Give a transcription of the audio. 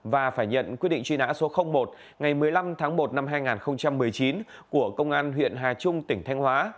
và phải nhận quyết định truy nã số một ngày một mươi năm tháng một năm hai nghìn một mươi chín của công an huyện hà trung tỉnh thanh hóa